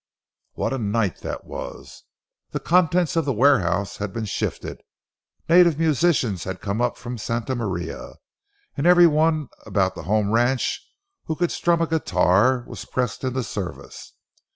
What a night that was! The contents of the warehouse had been shifted, native musicians had come up from Santa Maria, and every one about the home ranch who could strum a guitar was pressed into service.